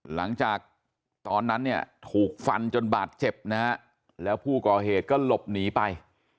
หลังจากนั้นเนี่ยถูกฟันจนบาดเจ็บนะฮะแล้วผู้ก่อเหตุก็หลบหนีไป